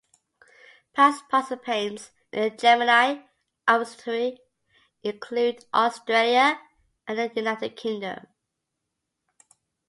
Past participants in the Gemini Observatory include Australia and the United Kingdom.